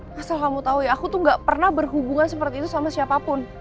masa kamu tahu ya aku tuh gak pernah berhubungan seperti itu sama siapapun